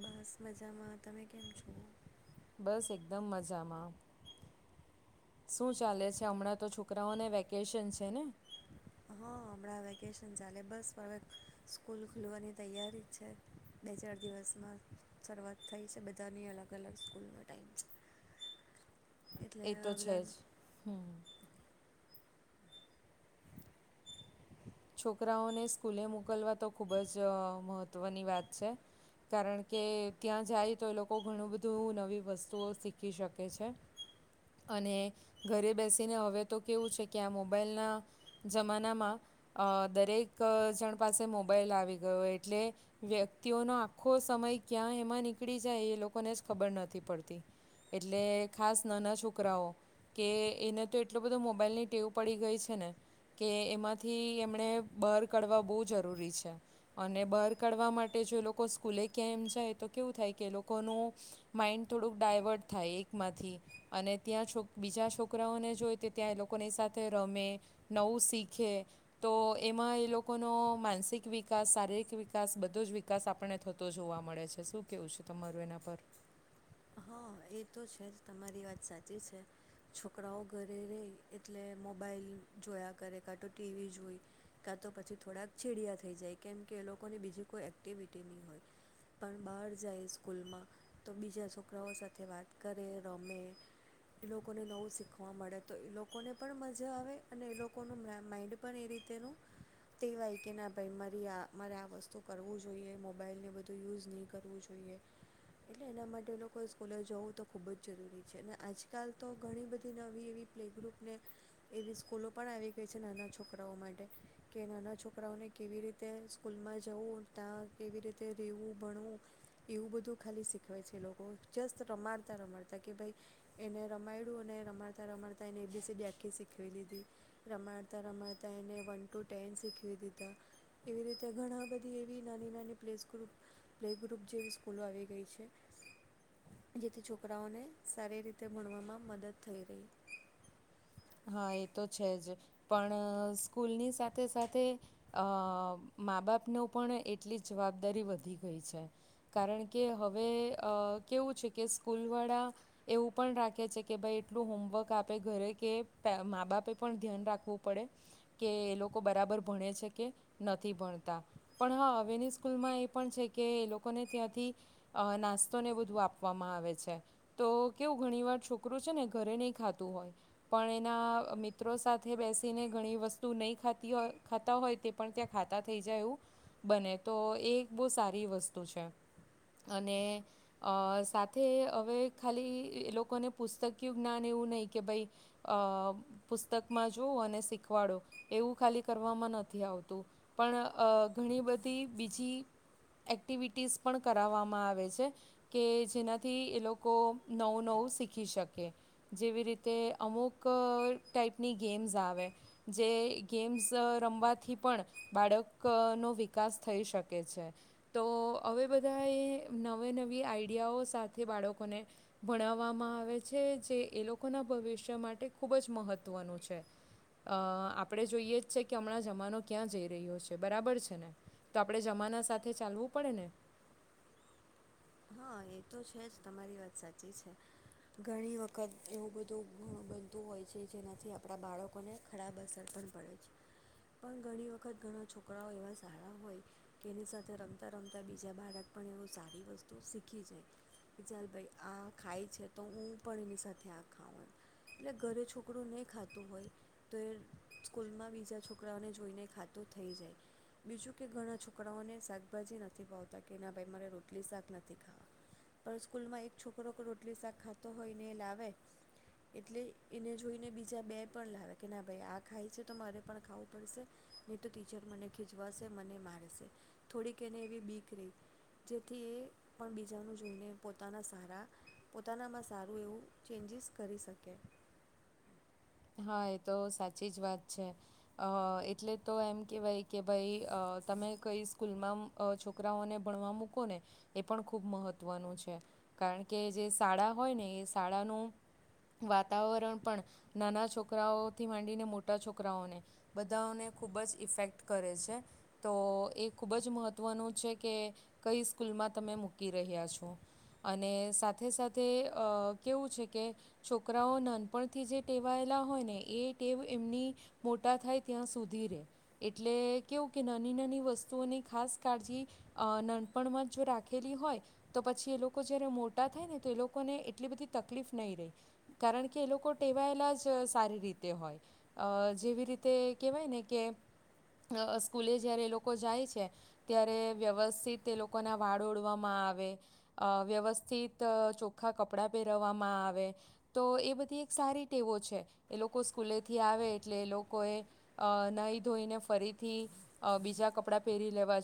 બસ મજામાં, તમે કેમ છો? બસ એકદમ મજામાં. શું ચાલે છે હમણાં તો છોકરાઓને વેકેશન છે ને? હ હમણાં વેકેશન ચાલે બસ હવે સ્કૂલ ખુલવાની તૈયારી જ છે, બે ચાર દિવસમાં શરૂઆત થઈ છે, બધાની અલગ અલગ સ્કૂલનો ટાઈમ છે. એ તો છે જ. છોકરાઓને સ્કૂલે મોકલવા તો ખૂબ જ મહત્ત્વની વાત છે, કારણ કે ત્યાં જાય તો એ લોકો ઘણું બધું નવી વસ્તુઓ શીખી શકે છે અને ઘરે બેસીને હવે તો કેવું છે કે આ મોબાઈલના જમાનામાં અ દરેક જણ પાસે મોબાઈલ આવી ગયો એટલે વ્યક્તિઓનો આખો સમય ક્યાં એમાં નીકળી જાય એ લોકોને જ ખબર નથી પડતી, એટલે ખાસ નાના છોકરાઓ કે એને તો એટલો બધો મોબાઈલની ટેવ પડી ગઈ છે ને કે એમાંથી એમ ણે બાર કાઢવા બહુ જરૂરી છે અને બાર કાઢવા માટે જો એ લોકો સ્કૂલે કે એમ જાય તો કેવું થાય કે એ લોકોનું માઈન્ડ થોડુંક ડાયવર્ટ થાય એકમાંથી અને ત્યાં છો બીજા છોકરાઓને જોઈ તો ત્યાં એ લોકોની સાથે રમે, નવું શીખે તો એમાં એ લોકોનો માનસિક વિકાસ, શારીરિક વિકાસ બધો જ વિકાસ આપણને થતો જોવા મળે છે, શું કહેવું છે તમારું એના પર? હા એ તો છે જ તમારી વાત સાચી છે છોકરાઓ ઘરે રે એટલે મોબાઈલ જોયા કરે, કાં તો ટીવી જોઈ, કાં તો પછી થોડાક ચીડયા થઈ જાય કેમ કે એ લોકોને બીજી કોઈ એક્ટિવિટી નહીં હોય પણ બહાર જાય સ્કૂલમાં તો બીજા છોક છોકરાઓ સાથે વાત કરે, રમે એ લોકોને નવું શીખવા મળે તો એ લોકોને પણ મજા આવે અને એ લોકોનું માઇન્ડ પણ એ રીતેનું ટેવાઈ કે ના ભાઈ મારી આ મારે આ વસ્તુ કરવું જોઈએ. મોબાઈલને બધું યુઝ નહીં કરવું જોઈએ. એટલે એના માટે લોક કોઈ સ્કૂલે જવું તો ખૂબ જ જરૂરી છે અને આજકાલ તો ઘણી બધી નવી એવી પ્લે ગ્રુપને એવી સ્કૂલો પણ આવી ગઈ છે નાના છોકરાઓ માટે કે નાના છોકરાઓને કેવી રીતે સ્કૂલમાં જવું, ત્યાં કેવી રીતે રહેવું, ભણવું એવું બધું ખાલી શીખવે છે લોકો. જસ્ટ રમાડતાં રમાડતાં કે ભાઈ એને રમાયડું અને રમાડતાં રમાડતાં એને એબીસીડી આખી શીખવી લીધી. રમાડતાં રમાડતાં એને વન ટુ ટેન શીખવી દીધા. એવી રીતે ઘણા બધી એવી નાની નાની પ્લેસ ગ્રૂપ પ્લે ગ્રુપ જેવી સ્કૂલો આવી ગઈ છે. જેથી છોકરાઓને સારી રીતે ભણવામાં મદદ થઈ રહી. હા એ તો છે જ પણ સ્કૂલની સાથે સાથે અ માં બાપનો પણ એટલી જ જવાબદારી વધી ગઈ છે. કારણ કે હવે અ કેવું છે કે સ્કૂલવાળા એવું પણ રાખે છે કે ભાઈ એટલું હોમવર્ક આપે ઘરે કે માં બાપે પણ ધ્યાન રાખવું પડે કે એ લોકો બરાબર ભણે છે કે નથી ભણતા પણ હા હવેની સ્કૂલમાં એ પણ છે કે એ લોકોને ત્યાંથી અ નાસ્તોને બધું આપવામાં આવે છે. તો કેવું ઘણી વાર છોકરું છે ને ઘરે નહીં ખાતું હોય પણ એના મિત્રો સાથે બેસીને ઘણી વસ્તુ નહીં ખાતી હોય ખાતા હોય તે પણ ત્યાં ખાતા થઈ જાય એવું બને તો એ એક બહુ સારી વસ્તુ છે અને અ સાથે હવે ખાલી એ લોકોને પુસ્તકયુ જ્ઞાન એવું નહીં કે ભાઈ અ પુસ્તકમાં જોઉં અને શીખવાડો એવું ખાલી કરવામાં નથી આવતું. પણ અ ઘણી બધી બીજી એક્ટિવિટીઝ પણ કરાવવામાં આવે છે. કે જેનાથી એ લોકો નવું નવું શીખી શકે. જેવી રીતે અમુક ક ટાઈપની ગેમ્ઝ આવે જે ગેમ્ઝ રમવાથી પણ બાળકનો વિકાસ થઈ શકે છે. તો હવે બધા એ નવે નવી આઈડિયાઓ સાથે બાળકોને ભણાવવામાં આવે છે. જે એ લોકોના ભવિષ્ય માટે ખૂબ જ મહત્વનું છે. અ આપણે જોઈએ જ છે કે હમણાં જમાનો ક્યાં જઈ રહ્યો છે બરાબર છે ને? તો આપણે જમાના સાથે ચાલવું પડે ને? હા એ તો છે જ તમારી વાત સાચી છે. ઘણી વખત એવું બધું ગણું બનતું હોય છે જેનાથી આપણા બાળકોને ખરાબ અસર પણ પડે છે. પણ ઘણી વખત ઘણા છોકરાઓ એવા સારા હોય કે એની સાથે રમતાં રમતાં બીજા બાળક પણ એવું સારી વસ્તુ તો શીખી જાય કે ચાલ ભાઈ આ ખાય છે તો હું પણ એની સાથે આ ખાઉં એમ એટલે ઘરે છોકરું નહીં ખાતું હોય તો એ સ્કૂલમાં બીજા છોકરાઓને જોઈને ખાતું થઈ જાય. બીજું કે ઘણા છોકરાઓને શાકભાજી નથી ભાવતા કે ના ભાઈ મારે રોટલી શાક નથી નથી ખાવા પણ સ્કૂલમાં એક છોકરો રોટલી શાક ખાતો હોયને એ લાવે એટલે એને જોઈને બીજા બે પણ લાવે કે ના ભાઈ આ ખાય છે તો મારે પણ ખાવું પડશે નહીં તો ટીચર મને ખીજવાશે, મને મારશે થોડીક એને એવી બીક રે જેથી એ પણ બીજાનું જોઈને પોતાના સારા પોતાનામાં સારું એવું ચેન્જીસ કરી શકે. હા એ તો સાચી જ વાત છે અ એટલે તો એમ કેવાય કે ભાઈ અ તમે કઈ સ્કૂલમાં અ છોકરાઓને ભણવા મૂકો ને એ પણ ખૂબ મહત્વનું છે. કારણ કે જે શાળા હોય ને એ શાળાનું વાતાવરણ પણ નાના છોકરાઓથી માંડીને મોટા છોકરાઓને બધાઓને ખૂબ જ ઇફેક્ટ કરે છે. તો એ ખૂબ જ મહત્ત્વનું છે કે કઈ સ્કૂલમાં તમે મૂકી રહ્યા છો અને સાથે સાથે અ કેવું છે કે છોકરાઓ નાનપણથી જે ટેવાયેલા હોય ને એ ટેવ એમની મોટા થાય ત્યાં સુધી રે એટલે કેવું કે નાની નાની વસ્તુઓની ખાસ કાળજી અ નાનપણમાં જો રાખેલી હોય તો પછી એ લોકો જ્યારે મોટા થાય ને તો એ લોકોને એટલી બધી તકલીફ નહીં રે. કારણ કે એ લોકો ટેવાયેલા જ સારી રીતે હોય. અ જેવી રીતે કહેવાય ને કે અ સ્કૂલે જ્યારે એ લોકો જાય છે ત્યારે વ્યવસ્થિત એ લોકોના વાળ ઓળવામાં આવે, અ વ્યવસ્થિત ચોખ્ખા કપડાં પેરવવામાં આવે તો એ બધી સારી ટેવો છે. એ લોકો સ્કૂલેથી આવે એટલે એ લોકોએ અ નાઈ ધોઈને ફરીથી અ બીજા કપડાં પેરી લેવા